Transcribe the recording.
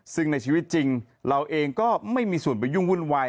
ซึ่งในชีวิตจริงเราเองก็ไม่มีส่วนไปยุ่งวุ่นวาย